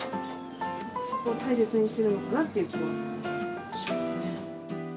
そこを大切にしてるのかなって気はしますね。